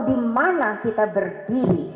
di mana kita berdiri